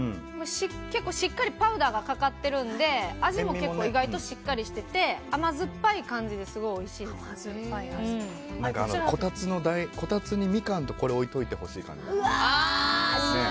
結構しっかりパウダーがかかってるので味も結構意外としっかりしてて甘酸っぱい感じでこたつにミカンとこれを置いておいてほしい感じ。